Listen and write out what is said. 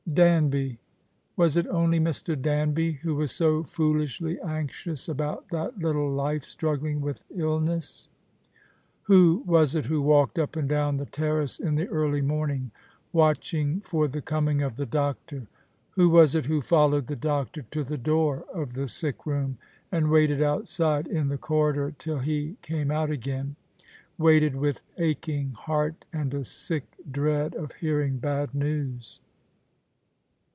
Danby ! Was it only Mr. Danby who was so foolishly anxious about that little life struggling with illness? Who was it who walked up and down the terrace in the early morning, watching for the coming of the doctor ? Who was it who followed the doctor to the door of the sick room, and waited outside in the corridor till he came out again ; waited with aching heart and a sick dread of hearing bad news